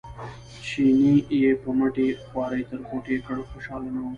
چیني یې په مټې خوارۍ تر کوټې کړ خوشاله نه و.